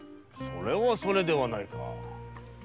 それはそれではないか。